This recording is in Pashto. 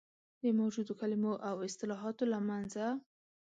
د موجودو کلمو او اصطلاحاتو له منځه.